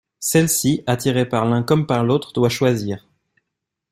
Celle-ci, attirée par l'un comme par l'autre, doit choisir.